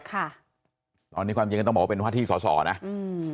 ค่ะตอนนี้ความจริงก็ต้องบอกว่าเป็นว่าที่สอสอนะอืม